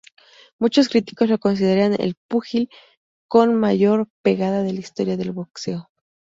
Muchos críticos lo consideran el púgil con mayor pegada de la historia del boxeo.